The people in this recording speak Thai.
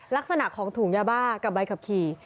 ลักษณะของถุงยาบ้ากับใบขับขี่